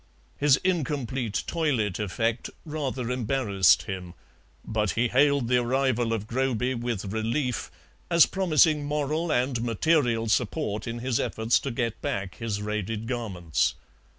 His incomplete toilet effect rather embarrassed him, but he hailed the arrival of Groby with relief, as promising moral and material support in his efforts to get back his raided garments.